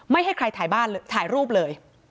ไม่ให้ใครถ่ายรูปเลย